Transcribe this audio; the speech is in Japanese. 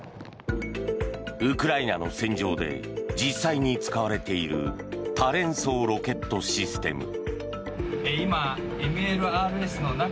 ウクライナの戦場で実際に使われている多連装ロケットシステム。